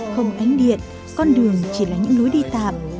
không ánh điện con đường chỉ là những lối đi tạm